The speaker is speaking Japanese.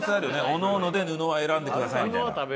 おのおので布は選んでくださいみたいな。